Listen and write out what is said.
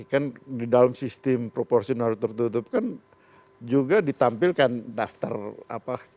kan di dalam sistem proporsional tertutup kan juga ditampilkan daftar apa